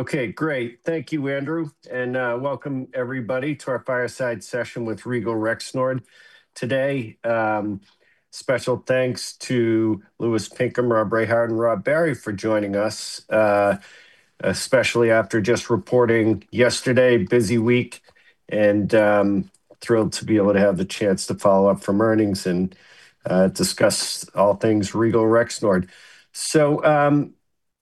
Okay, great. Thank you, Andrew. Welcome everybody to our fireside session with Regal Rexnord. Today, special thanks to Louis Pinkham, Rob Rehard, and Rob Barry for joining us, especially after just reporting yesterday. Busy week. Thrilled to be able to have the chance to follow up from earnings and discuss all things Regal Rexnord.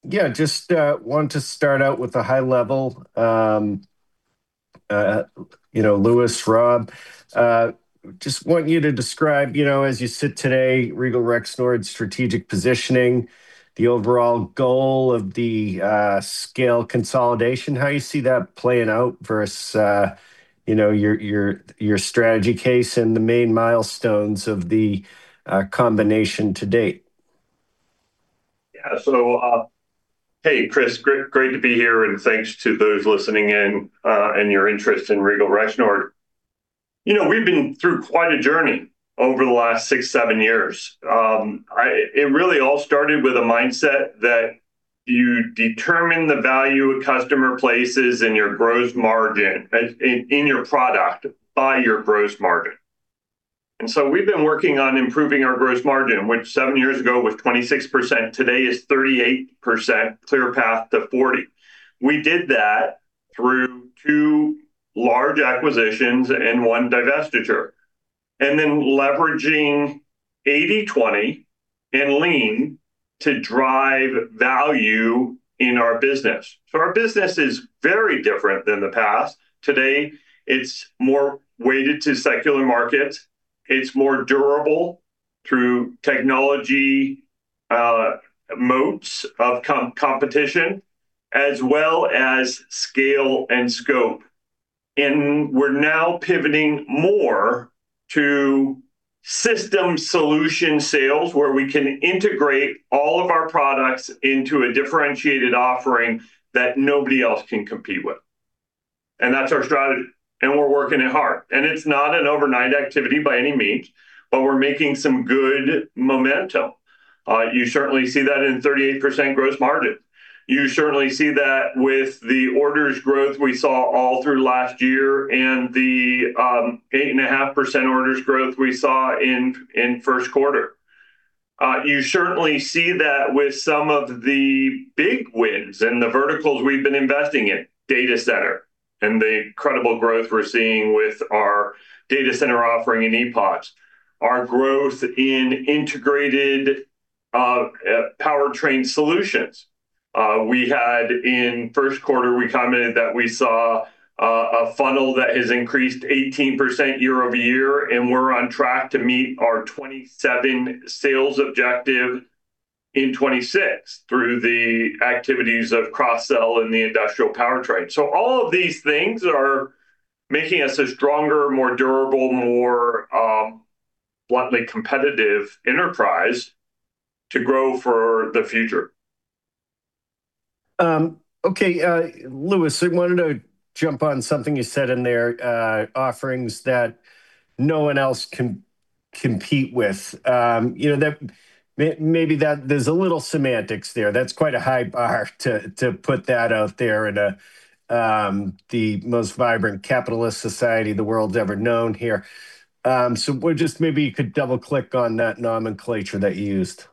Yeah, just want to start out with a high level, you know, Louis, Rob. Just want you to describe, you know, as you sit today, Regal Rexnord's strategic positioning, the overall goal of the scale consolidation, how you see that playing out versus, you know, your, your strategy case and the main milestones of the combination to date. Hey, Chris. Great to be here, and thanks to those listening in, and your interest in Regal Rexnord. You know, we've been through quite a journey over the last six, seven years. It really all started with a mindset that you determine the value a customer places in your gross margin, in your product by your gross margin. We've been working on improving our gross margin, which seven years ago was 26%, today is 38%, clear path to 40%. We did that through two large acquisitions and one divestiture, leveraging 80/20 and lean to drive value in our business. Our business is very different than the past. Today, it's more weighted to secular market. It's more durable through technology, moats of competition, as well as scale and scope. We're now pivoting more to system solution sales where we can integrate all of our products into a differentiated offering that nobody else can compete with, and that's our strategy, and we're working it hard. It's not an overnight activity by any means, but we're making some good momentum. You certainly see that in 38% gross margin. You certainly see that with the orders growth we saw all through last year, and the 8.5% orders growth we saw in first quarter. You certainly see that with some of the big wins in the verticals we've been investing in, Data center, and the incredible growth we're seeing with our data center offering in ePOD. Our growth in integrated powertrain solutions. We had, in first quarter, we commented that we saw a funnel that has increased 18% year-over-year. We're on track to meet our 2027 sales objective in 2026 through the activities of cross sell in the industrial powertrain. All of these things are making us a stronger, more durable, more bluntly competitive enterprise to grow for the future. Okay. Louis, I wanted to jump on something you said in there, offerings that no one else can compete with. You know, maybe that there's a little semantics there. That's quite a high bar to put that out there in a, the most vibrant capitalist society the world's ever known here. Just maybe you could double-click on that nomenclature that you used.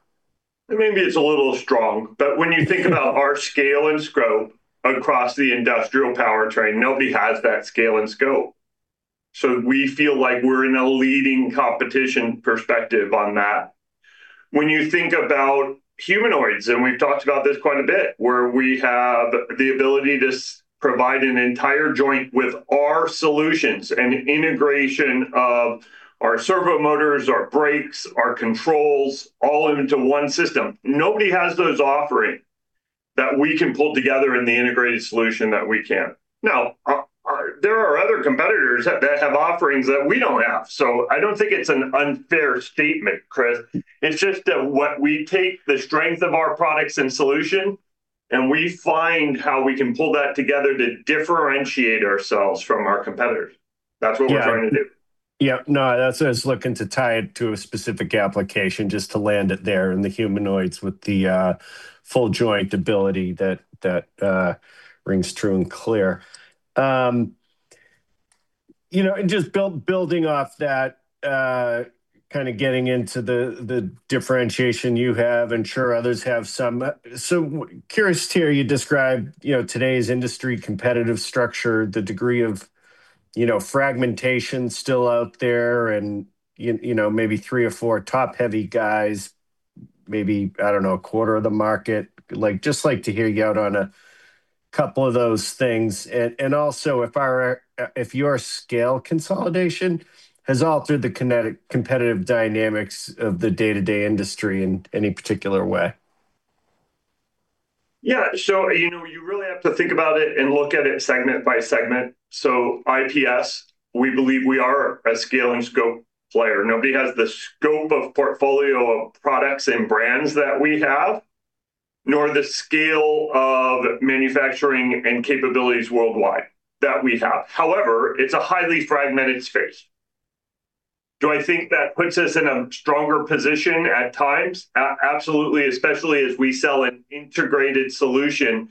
Maybe it's a little strong, when you think about our scale and scope across the industrial powertrain, nobody has that scale and scope. We feel like we're in a leading competition perspective on that. When you think about humanoids, and we've talked about this quite a bit, where we have the ability to provide an entire joint with our solutions and integration of our servomotors, our brakes, our controls all into one system. Nobody has those offering that we can pull together in the integrated solution that we can. Our There are other competitors that have offerings that we don't have, so I don't think it's an unfair statement, Chris. It's just that what we take the strength of our products and solution, and we find how we can pull that together to differentiate ourselves from our competitors. Yeah. That's what we're trying to do. Yeah. No, that's what I was looking to tie it to a specific application, just to land it there in the humanoids with the full joint ability that rings true and clear. You know, and just building off that, kind of getting into the differentiation you have, I'm sure others have some. Curious to hear you describe, you know, today's industry competitive structure, the degree of, you know, fragmentation still out there, and you know, maybe three or four top heavy guys, maybe, I don't know, 1/4 of the market. Like, just like to hear you out on a couple of those things. Also if our, if your scale consolidation has altered the kinetic competitive dynamics of the day-to-day industry in any particular way. Yeah. you know, you really have to think about it and look at it segment by segment. IPS, we believe we are a scale and scope player. Nobody has the scope of portfolio of products and brands that we have, nor the scale of manufacturing and capabilities worldwide that we have. However, it's a highly fragmented space. Do I think that puts us in a stronger position at times? Absolutely, especially as we sell an integrated solution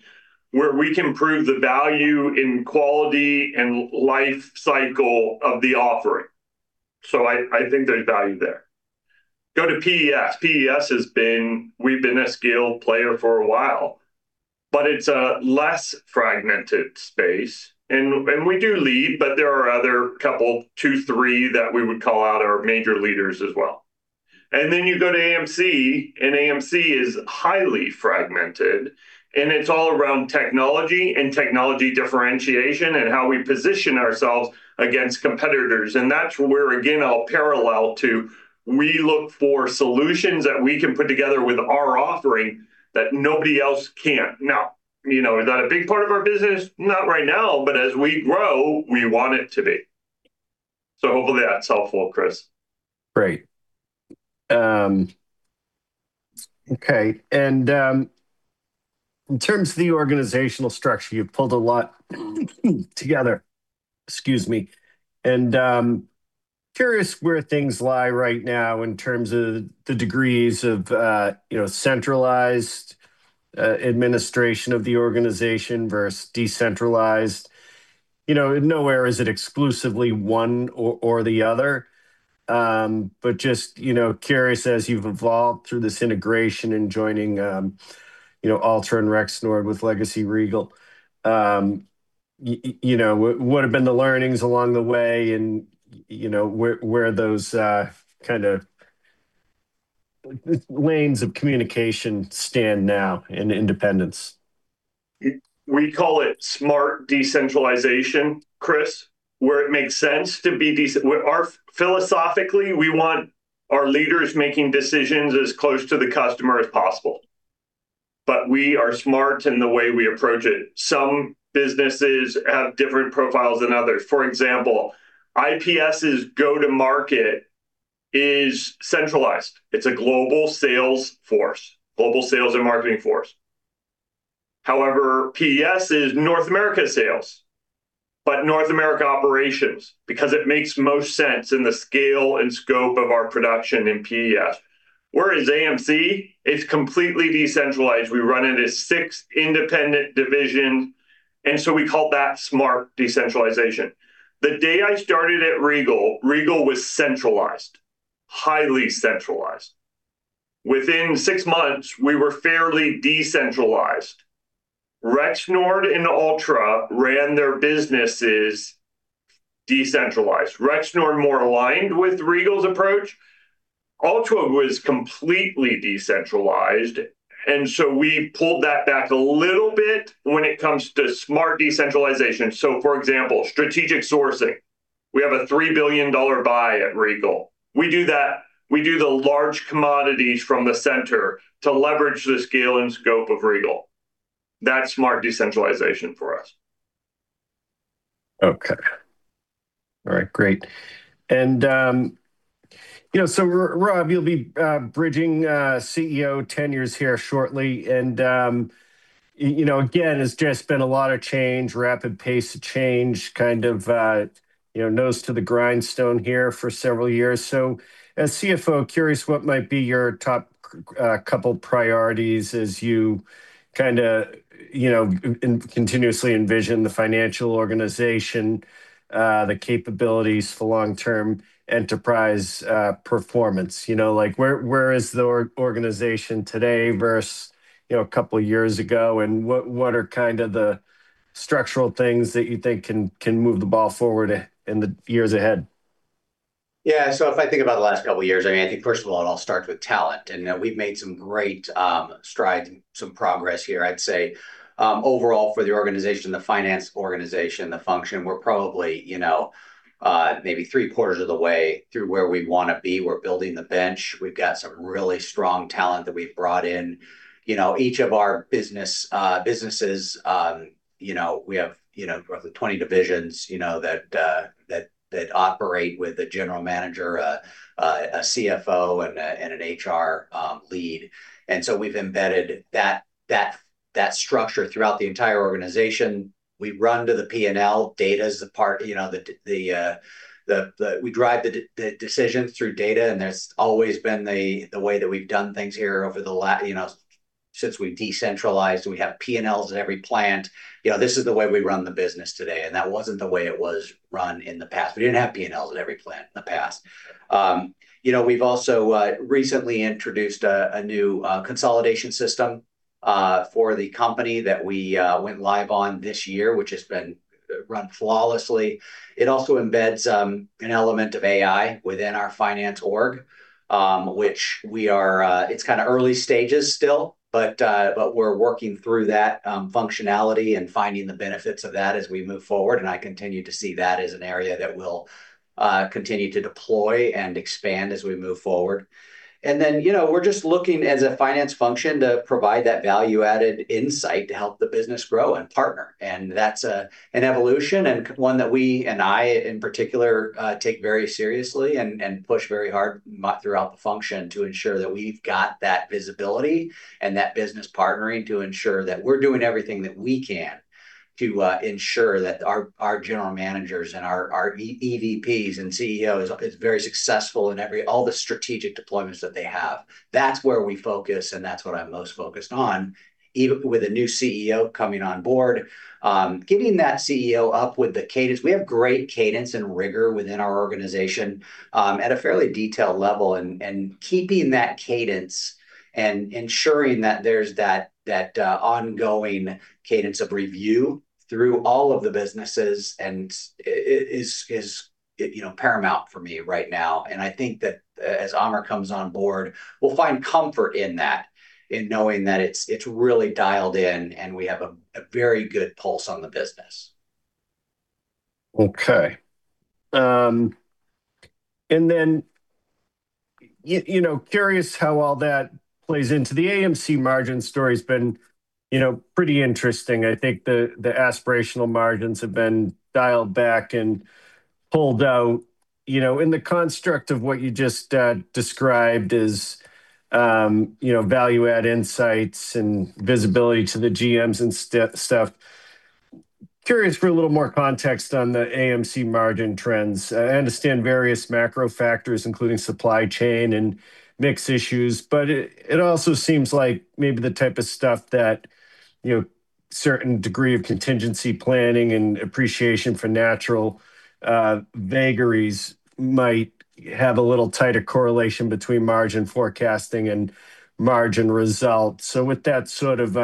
where we can prove the value in quality and life cycle of the offering. I think there's value there. Go to PES. PES, we've been a scale player for a while, but it's a less fragmented space. We do lead, but there are other couple, two, three that we would call out are major leaders as well. Then you go to AMC, and AMC is highly fragmented, and it's all around technology and technology differentiation and how we position ourselves against competitors. That's where, again, I'll parallel to we look for solutions that we can put together with our offering that nobody else can. You know, is that a big part of our business? Not right now, but as we grow, we want it to be. Hopefully that's helpful, Chris. Great. Okay. In terms of the organizational structure, you've pulled a lot together. Excuse me. Curious where things lie right now in terms of the degrees of, you know, centralized administration of the organization versus decentralized. You know, nowhere is it exclusively one or the other. But just, you know, curious as you've evolved through this integration and joining, you know, Altra and Rexnord with legacy Regal, you know, what have been the learnings along the way and, you know, where those kind of lanes of communication stand now in independence? We call it smart decentralization, Chris, where it makes sense to be where our philosophically, we want our leaders making decisions as close to the customer as possible, but we are smart in the way we approach it. Some businesses have different profiles than others. For example, IPS's go-to-market is centralized. It's a global sales force, global sales and marketing force. PES is North America sales, but North America operations, because it makes most sense in the scale and scope of our production in PES. AMC is completely decentralized. We run it as six independent divisions, we call that smart decentralization. The day I started at Regal was centralized, highly centralized. Within six months, we were fairly decentralized. Rexnord and Altra ran their businesses decentralized. Rexnord more aligned with Regal's approach. Altra was completely decentralized, we pulled that back a little bit when it comes to smart decentralization. For example, strategic sourcing. We have a $3 billion buy at Regal. We do that, we do the large commodities from the center to leverage the scale and scope of Regal. That's smart decentralization for us. Okay. All right, great. You know, Rob, you'll be bridging CEO tenures here shortly, and you know, again, it's just been a lot of change, rapid pace of change, kind of, you know, nose to the grindstone here for several years. As CFO, curious what might be your top couple priorities as you kind of, you know, and continuously envision the financial organization, the capabilities for long-term enterprise performance. You know, where is the organization today versus, you know, a couple years ago, and what are kind of the structural things that you think can move the ball forward in the years ahead? Yeah. If I think about the last couple years, I mean, I think first of all it all starts with talent, and we've made some great strides and some progress here I'd say. Overall for the organization, the finance organization, the function, we're probably, you know, maybe 3/4 of the way through where we want to be. We're building the bench. We've got some really strong talent that we've brought in. You know, each of our businesses, you know, we have, you know, roughly 20 divisions, you know, that operate with a General Manager, a CFO and an HR lead. We've embedded that structure throughout the entire organization. We run to the P&L. Data is the part, you know, We drive the decisions through data, That's always been the way that we've done things here over, you know, since we've decentralized. We have P&Ls at every plant. You know, this is the way we run the business today, that wasn't the way it was run in the past. We didn't have P&Ls at every plant in the past. You know, we've also recently introduced a new consolidation system for the company that we went live on this year. To run flawlessly. It also embeds an element of AI within our finance org, which we are. It's kinda early stages still, but we're working through that functionality and finding the benefits of that as we move forward, and I continue to see that as an area that we'll continue to deploy and expand as we move forward. You know, we're just looking as a finance function to provide that value-added insight to help the business grow and partner, and that's an evolution and one that we, and I in particular, take very seriously and push very hard throughout the function to ensure that we've got that visibility and that business partnering to ensure that we're doing everything that we can to ensure that our General Managers and our EVPs and CEOs is very successful in all the strategic deployments that they have. That's where we focus, and that's what I'm most focused on. Even with a new CEO coming on board, getting that CEO up with the cadence. We have great cadence and rigor within our organization, at a fairly detailed level and keeping that cadence and ensuring that there's that ongoing cadence of review through all of the businesses is, you know, paramount for me right now. I think that as Aamir comes on board, we'll find comfort in that, in knowing that it's really dialed in and we have a very good pulse on the business. Okay. You know, curious how all that plays into the AMC margin story's been, you know, pretty interesting. I think the aspirational margins have been dialed back and pulled out, you know, in the construct of what you just described as, you know, value-add insights and visibility to the GMs and stuff. Curious for a little more context on the AMC margin trends. I understand various macro factors including supply chain and mix issues, but it also seems like maybe the type of stuff that, you know, certain degree of contingency planning and appreciation for natural vagaries might have a little tighter correlation between margin forecasting and margin results. With that sort of,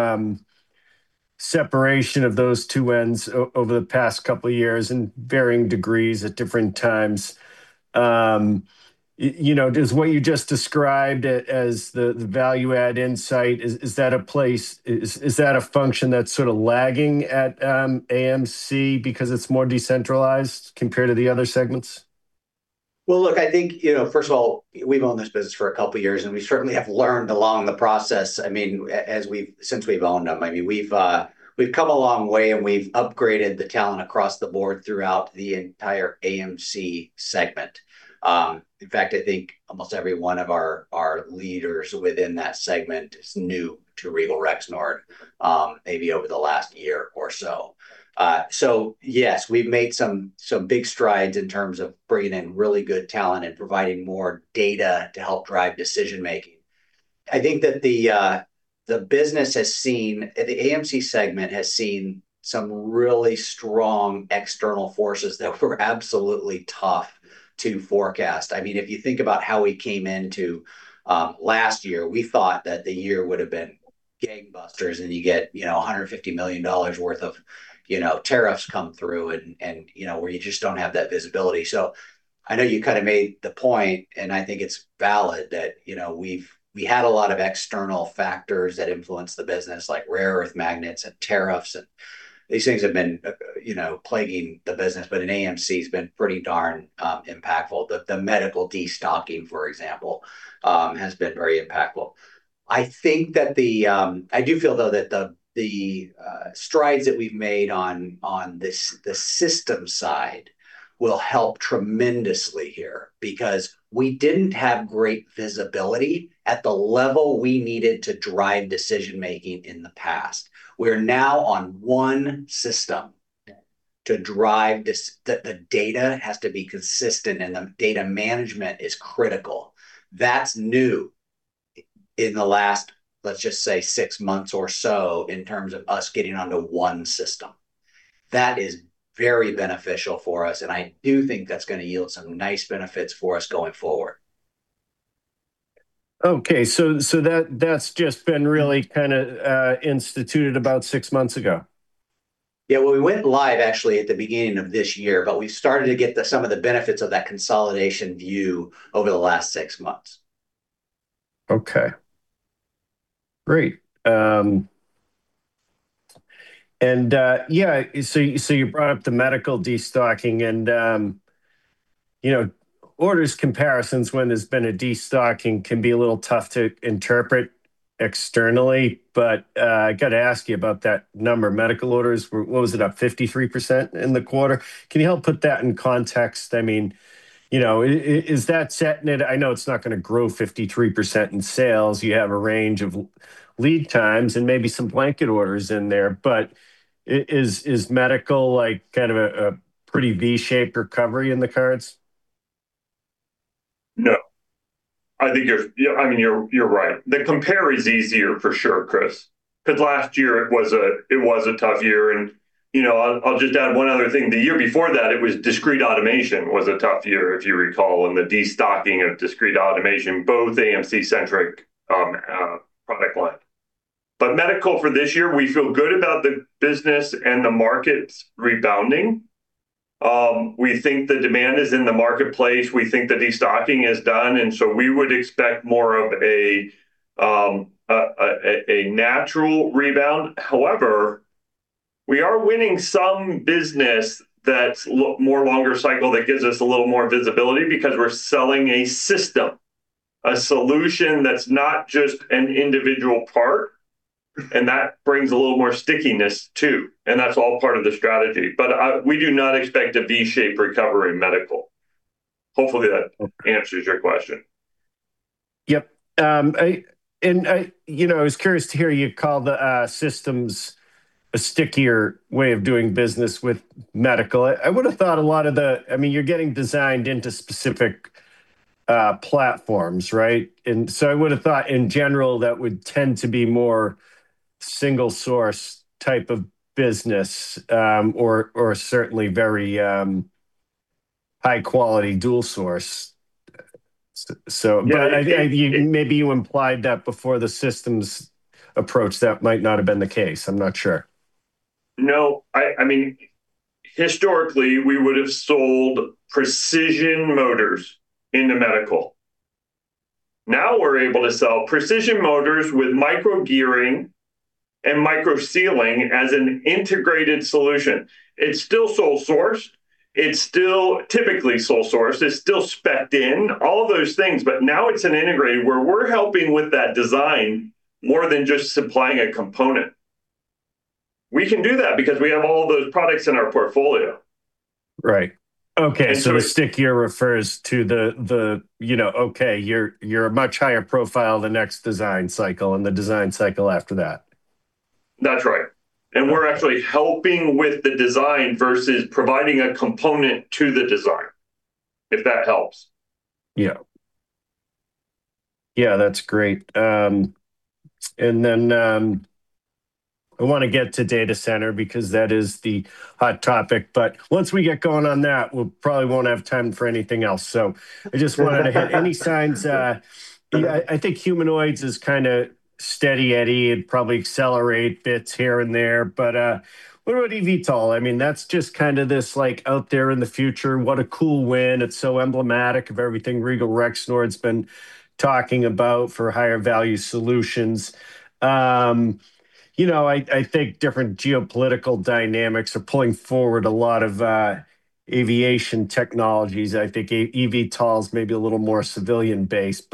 separation of those two ends over the past couple years in varying degrees at different times, you know, does what you just described as the value add insight, is that a place, is that a function that's sorta lagging at AMC because it's more decentralized compared to the other segments? I think, you know, first of all, we've owned this business for a couple years. We certainly have learned along the process. I mean, as we've since we've owned them. I mean, we've come a long way. We've upgraded the talent across the board throughout the entire AMC segment. In fact, I think almost every one of our leaders within that segment is new to Regal Rexnord, maybe over the last year or so. Yes, we've made some big strides in terms of bringing in really good talent. Providing more data to help drive decision-making. I think that the business has seen the AMC segment has seen some really strong external forces that were absolutely tough to forecast. I mean, if you think about how we came into last year, we thought that the year would've been gangbusters, and you get, you know, $150 million worth of, you know, tariffs come through and, you know, where you just don't have that visibility. I know you kinda made the point, and I think it's valid, that, you know, we had a lot of external factors that influenced the business like rare earth magnets and tariffs and these things have been, you know, plaguing the business. AMC's been pretty darn impactful. The medical destocking, for example, has been very impactful. I think that the I do feel, though, that the strides that we've made on this, the systems side will help tremendously here because we didn't have great visibility at the level we needed to drive decision-making in the past. We're now on one system to drive the data has to be consistent and the data management is critical. That's new in the last, let's just say, six months or so in terms of us getting onto one system. That is very beneficial for us, and I do think that's gonna yield some nice benefits for us going forward. Okay. That's just been really kinda instituted about six months ago. Yeah. Well, we went live actually at the beginning of this year, but we started to get the, some of the benefits of that consolidation view over the last six months. Okay. Great. You brought up the medical destocking, orders comparisons when there's been a destocking can be a little tough to interpret externally. I gotta ask you about that number. Medical orders were, what was it, up 53% in the quarter? Can you help put that in context? I mean, you know, is that set? I know it's not gonna grow 53% in sales. You have a range of lead times and maybe some blanket orders in there. Is medical a pretty V-shaped recovery in the cards? No. I think I mean, you're right. The compare is easier, for sure, Chris, 'cause last year it was a tough year. You know, I'll just add one other thing. The year before that it was discrete automation was a tough year, if you recall, and the destocking of discrete automation, both AMC-centric product line. Medical for this year, we feel good about the business and the market rebounding. We think the demand is in the marketplace. We think the de-stocking is done, we would expect more of a natural rebound. However, we are winning some business that's longer cycle that gives us a little more visibility, because we're selling a system, a solution that's not just an individual part, and that brings a little more stickiness too, and that's all part of the strategy. We do not expect a V-shaped recovery in medical. Hopefully that answers your question. Yep. I, you know, was curious to hear you call the systems a stickier way of doing business with medical. I would've thought a lot of the I mean, you're getting designed into specific platforms, right? I would've thought in general that would tend to be more single source type of business, or certainly very high quality dual source. So I think maybe you implied that before the systems approach, that might not have been the case. I'm not sure. No. I mean, historically we would've sold precision motors into medical. Now we're able to sell precision motors with micro gearing and micro sealing as an integrated solution. It's still sole sourced, it's still typically sole sourced, it's still spec'd in, all those things, but now it's an integrated where we're helping with that design more than just supplying a component. We can do that because we have all those products in our portfolio. Right. Okay. And we- The stickier refers to the, you know, okay, you're a much higher profile the next design cycle and the design cycle after that. That's right. We're actually helping with the design versus providing a component to the design, if that helps. Yeah. Yeah, that's great. I want to get to data center because that is the hot topic. Once we get going on that, we probably won't have time for anything else. I just wanted to hit any signs, you know, I think humanoids is kind of steady-eddy. It'd probably accelerate bits here and there. What about eVTOL? I mean, that's just kind of this like out there in the future, what a cool win. It's so emblematic of everything Regal Rexnord's been talking about for higher value solutions. You know, I think different geopolitical dynamics are pulling forward a lot of aviation technologies. I think a eVTOL's maybe a little more civilian based.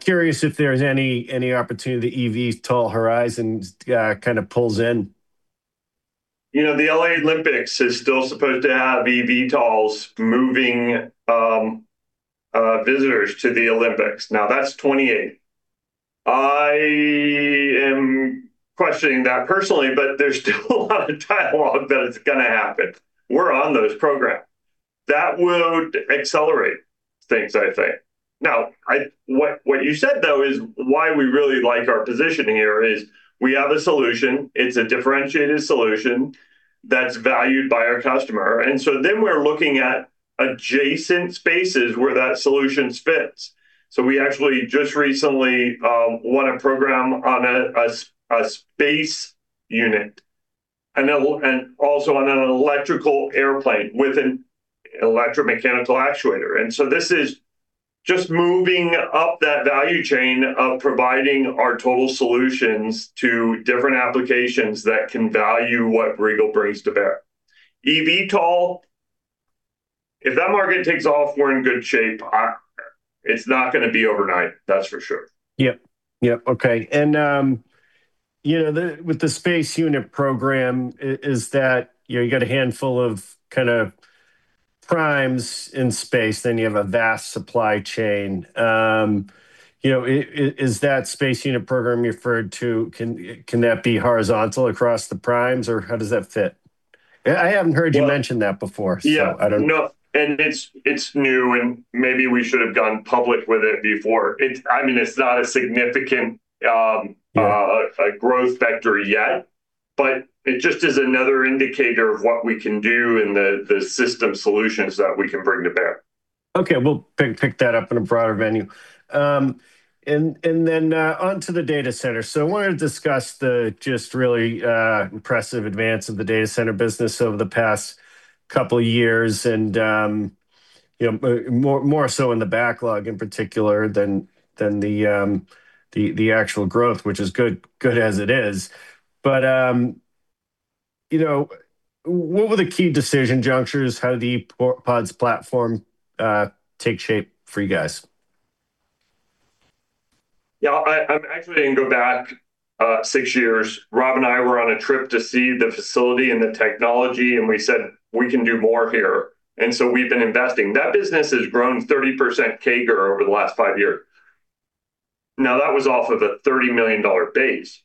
Curious if there's any opportunity the eVTOL horizon kind of pulls in. You know, the L.A. Olympics is still supposed to have eVTOLs moving visitors to the Olympics. That's 2028. I am questioning that personally, but there's still a lot of dialogue that it's gonna happen. We're on those program. That would accelerate things, I think. What you said though is why we really like our position here, is we have a solution. It's a differentiated solution that's valued by our customer. We're looking at adjacent spaces where that solution fits. We actually just recently won a program on a space unit, and also on an electrical airplane with an electromechanical actuator. This is just moving up that value chain of providing our total solutions to different applications that can value what Regal brings to bear. eVTOL, if that market takes off, we're in good shape. It's not gonna be overnight, that's for sure. Yep. Yep, okay. You know, with the space unit program, is that, you know, you got a handful of kind of primes in space, then you have a vast supply chain. You know, is that space unit program referred to? Can that be horizontal across the primes, or how does that fit? I haven't heard you mention that before. Well- I don't know. No. It's new, and maybe we should've gone public with it before. I mean, it's not a significant growth factor yet, but it just is another indicator of what we can do and the system solutions that we can bring to bear. Okay. We'll pick that up in a broader venue. Then onto the data center. I wanted to discuss the just really impressive advance of the data center business over the past couple years and, you know, more so in the backlog in particular than the actual growth, which is good as it is. You know, what were the key decision junctures? How did the ePODs platform take shape for you guys? I'm actually gonna go back six years. Rob and I were on a trip to see the facility and the technology, and we said, "We can do more here." We've been investing. That business has grown 30% CAGR over the last five years. Now, that was off of a $30 million base.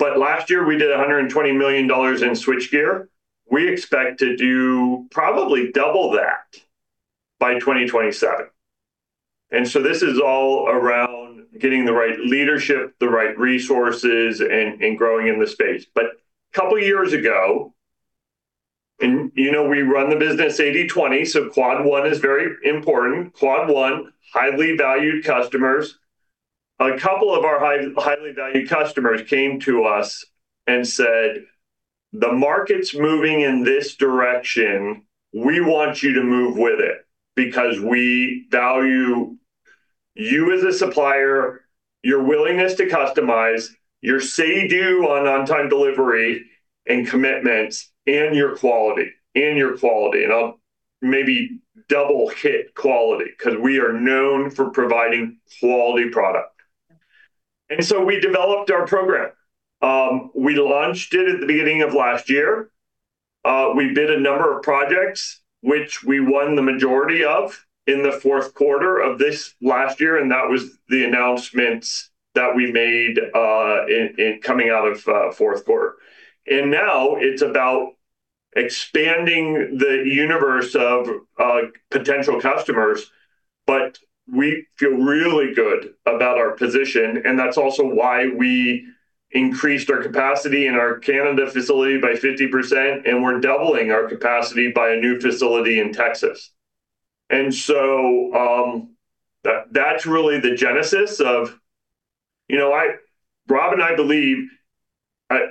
Last year we did $120 million in switchgear. We expect to do probably double that by 2027. This is all around getting the right leadership, the right resources, and growing in the space. Couple years ago, you know, we run the business 80/20, so Quad 1 is very important. Quad 1, highly valued customers. A couple of our highly valued customers came to us and said, "The market's moving in this direction. We want you to move with it because we value you as a supplier, your willingness to customize, your say-do on on-time delivery and commitments, and your quality. I'll maybe double hit quality, 'cause we are known for providing quality product. We developed our program. We launched it at the beginning of last year. We bid a number of projects, which we won the majority of in the fourth quarter of this last year, and that was the announcements that we made in coming out of fourth quarter. Now it's about expanding the universe of potential customers, but we feel really good about our position, and that's also why we increased our capacity in our Canada facility by 50%, and we're doubling our capacity by a new facility in Texas. That's really the genesis of you know what, Rob and I believe,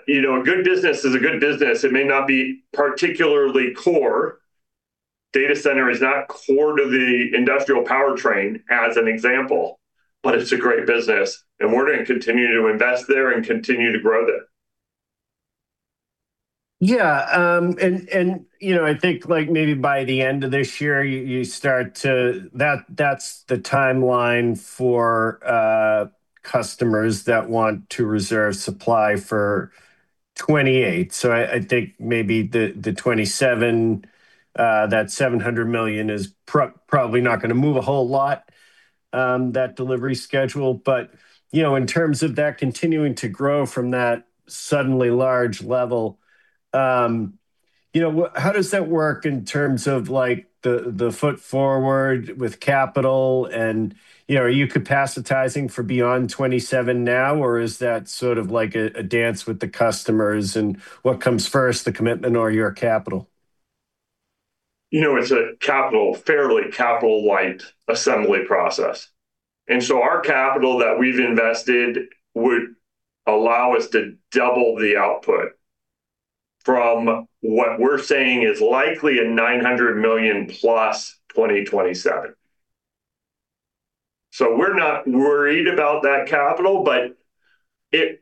you know, a good business is a good business. It may not be particularly core. Data center is not core to the industrial powertrain as an example, but it's a great business, and we're gonna continue to invest there and continue to grow that. Yeah. You know, I think, like, maybe by the end of this year. That's the timeline for customers that want to reserve supply for 2028. I think maybe the 2027, that $700 million is probably not gonna move a whole lot, that delivery schedule. You know, in terms of that continuing to grow from that suddenly large level, you know, how does that work in terms of, like, the foot forward with capital and, you know, are you capacitizing for beyond 2027 now, or is that sort of like a dance with the customers and what comes first, the commitment or your capital? You know, it's a capital, fairly capital light assembly process. Our capital that we've invested would allow us to double the output from what we're saying is likely a $900 million+ 2027. We're not worried about that capital,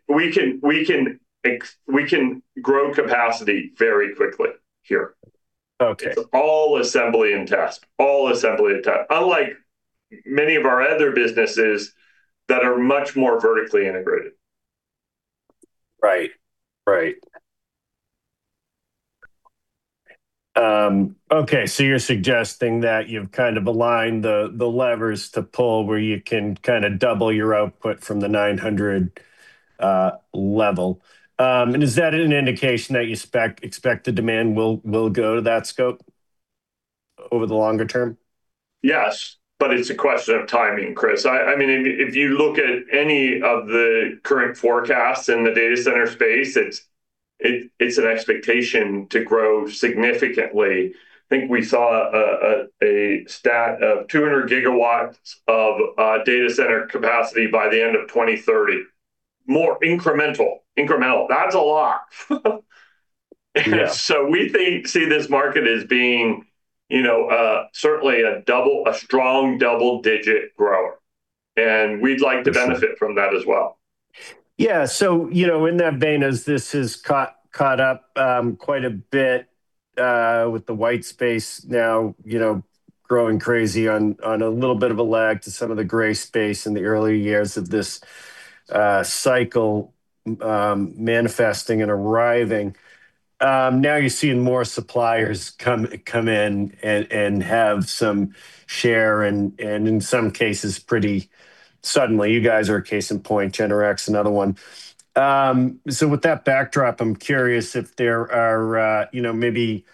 we can grow capacity very quickly here. Okay. It's all assembly and task, unlike many of our other businesses that are much more vertically integrated. Right. Right. Okay. You're suggesting that you've kind of aligned the levers to pull where you can kind of double your output from the 900 level. Is that an indication that you expect the demand will go to that scope over the longer term? Yes, but it's a question of timing, Chris. I mean, if you look at any of the current forecasts in the data center space, it's an expectation to grow significantly. I think we saw a stat of 200 GW of data center capacity by the end of 2030. More incremental. That's a lot. Yeah. We see this market as being, you know, certainly a strong double-digit grower, and we'd like to benefit from that as well. You know, in that vein as this has caught up quite a bit with the white space now, you know, growing crazy on a little bit of a lag to some of the gray space in the early years of this cycle, manifesting and arriving. Now you're seeing more suppliers come in and have some share and in some cases pretty suddenly. You guys are a case in point. Generac's another one. With that backdrop, I'm curious if there are, you know, maybe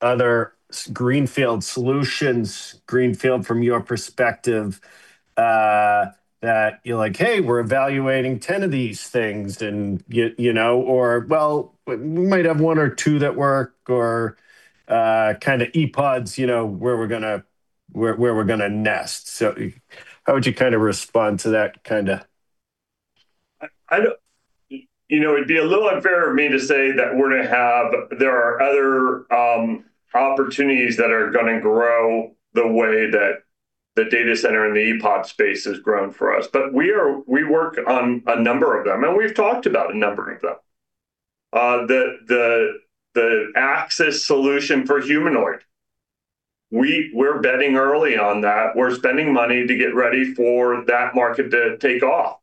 other greenfield solutions, greenfield from your perspective, that you're like, "Hey, we're evaluating 10 of these things," and you know. Or, "Well, we might have one or two that work," or kinda ePODs, you know, where we're gonna nest. How would you kind of respond to that kinda? You know, it'd be a little unfair of me to say that there are other opportunities that are gonna grow the way that the data center and the ePOD space has grown for us. We work on a number of them, and we've talked about a number of them. The axis solution for humanoid, we're betting early on that. We're spending money to get ready for that market to take off.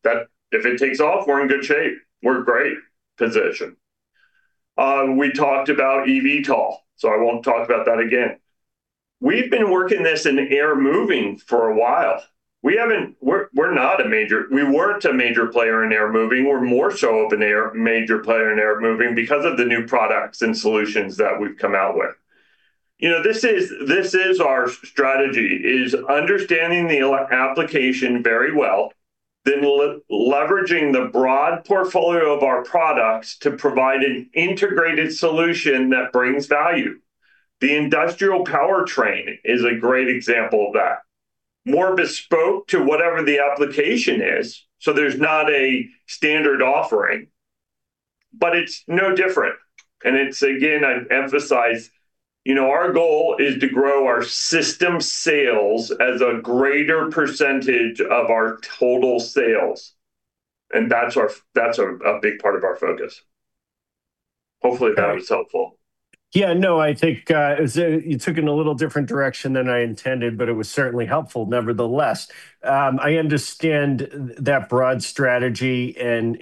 If it takes off, we're in good shape. We're in great position. We talked about eVTOL, I won't talk about that again. We've been working this in air moving for a while. We weren't a major player in air moving. We're more so of a major player in air moving because of the new products and solutions that we've come out with. You know, this is our strategy, is understanding the application very well, then leveraging the broad portfolio of our products to provide an integrated solution that brings value. The industrial powertrain is a great example of that. More bespoke to whatever the application is, so there's not a standard offering, but it's no different. It's, again, I emphasize, you know, our goal is to grow our system sales as a greater percentage of our total sales, and that's a big part of our focus. Hopefully that was helpful. Yeah, no, I think You took it in a little different direction than I intended, it was certainly helpful nevertheless. I understand that broad strategy and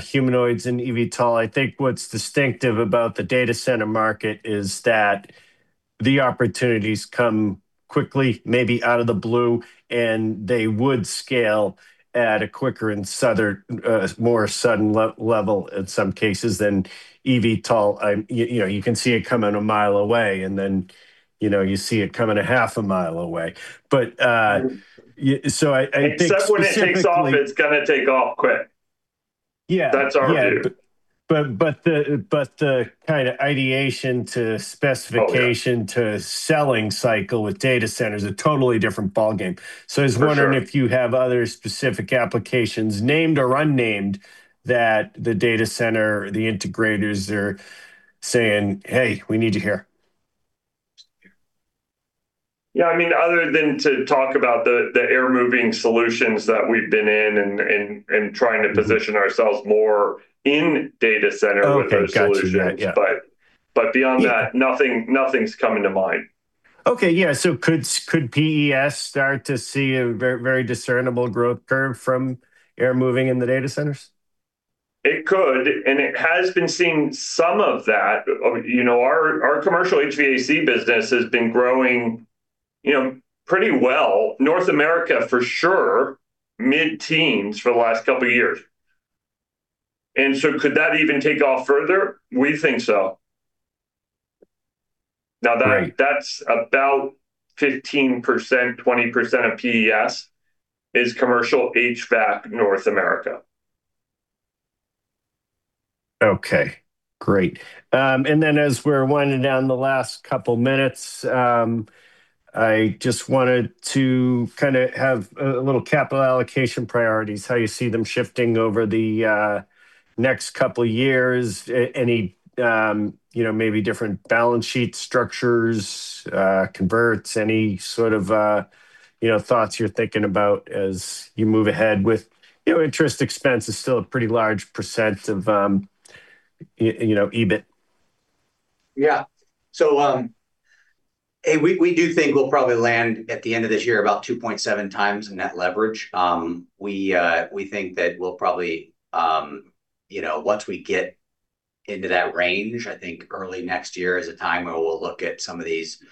humanoids and eVTOL. I think what's distinctive about the data center market is that the opportunities come quickly, maybe out of the blue, and they would scale at a quicker and sudden, more sudden level in some cases than eVTOL. You know, you can see it coming a mile away, then, you know, you see it coming a half a mile away. Except when it takes off, it's gonna take off quick. Yeah. That's our view. Yeah. but the kind of ideation to specification, to selling cycle with data center is a totally different ballgame. For sure. I was wondering if you have other specific applications, named or unnamed, that the data center, the integrators are saying, "Hey, we need you here". Yeah, I mean, other than to talk about the air moving solutions that we've been in and trying to position ourselves more in data center with those solutions. Okay, got you. Yeah. Beyond that, nothing's coming to mind. Okay. Yeah. Could PES start to see a very, very discernible growth curve from air moving in the data centers? It could, and it has been seeing some of that. You know, our commercial HVAC business has been growing, you know, pretty well. North America for sure, mid-teens for the last couple years. Could that even take off further? We think so. Great That's about 15%, 20% of PES is commercial HVAC North America. Okay, great. As we're winding down the last couple minutes, I just wanted to kinda have a little capital allocation priorities, how you see them shifting over the next couple years. Any, you know, maybe different balance sheet structures, converts, any sort of, you know, thoughts you're thinking about as you move ahead with, you know, interest expense is still a pretty large percent of, you know, EBIT. Yeah. We do think we'll probably land at the end of this year about 2.7x in net leverage. We think that we'll probably, you know, once we get into that range, I think early next year is a time where we'll look at some of these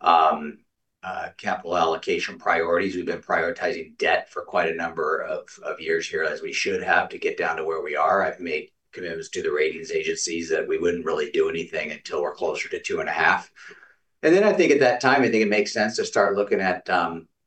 capital allocation priorities. We've been prioritizing debt for quite a number of years here, as we should have to get down to where we are. I've made commitments to the ratings agencies that we wouldn't really do anything until we're closer to 2.5x. I think at that time, I think it makes sense to start looking at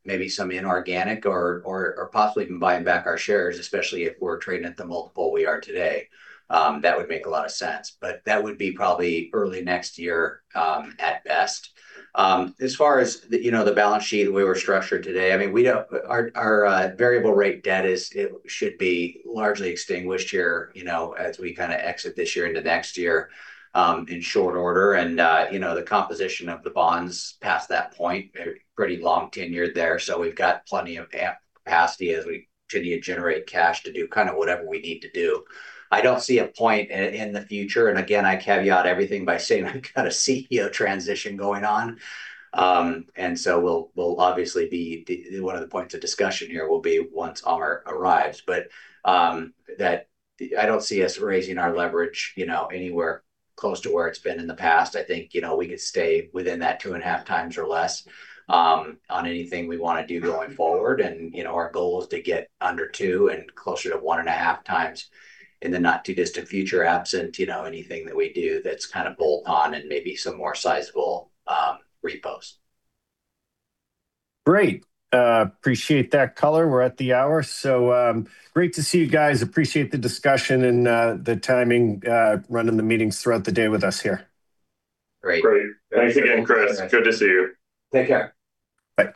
maybe some inorganic or possibly combining back our shares, especially if we're trading at the multiple we are today. That would make a lot of sense. That would be probably early next year, at best. As far as the, you know, the balance sheet we were structured today, I mean, our variable rate debt should be largely extinguished here, you know, as we exit this year into next year, in short order. You know, the composition of the bonds past that point are pretty long tenured there, so we've got plenty of capacity as we continue to generate cash to do whatever we need to do. I don't see a point in the future, I caveat everything by saying I've got a CEO transition going on. One of the points of discussion here will be once Aamir arrives. That I don't see us raising our leverage, you know, anywhere close to where it's been in the past. I think, you know, we could stay within that 2.5x or less on anything we wanna do going forward. Our goal is to get under 2x and closer to 1.5x in the not too distant future, absent, you know, anything that we do that's kind of bolt on and maybe some more sizable repos. Great. Appreciate that color. We're at the hour, great to see you guys. Appreciate the discussion and the timing, running the meetings throughout the day with us here. Great. Great. Thanks again, Chris. Good to see you. Take care. Bye.